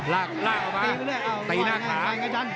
ลากลากออกมาตีหน้าขา